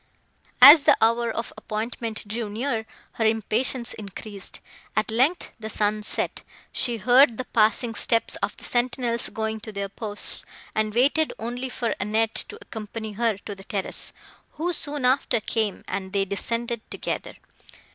As the hour of appointment drew near, her impatience increased. At length, the sun set; she heard the passing steps of the sentinels going to their posts; and waited only for Annette to accompany her to the terrace, who, soon after, came, and they descended together.